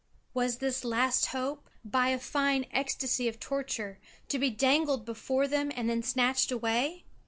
Was this last hope, by a fine ecstasy of torture, to be dangled before them and then snatched away?